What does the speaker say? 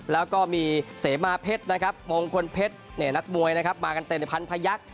แล้วก็มีเสมาเพชรนะครับมงคลเพชรนักมวยนะครับมากันเต็มในพันพยักษ์